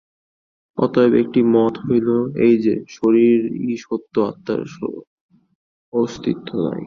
অতএব একটি মত হইল এই যে, শরীরই সত্য, আত্মার অস্তিত্ব নাই।